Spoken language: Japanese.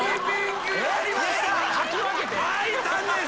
開いたんです。